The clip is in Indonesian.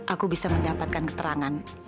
aku bisa mendapatkan keterangan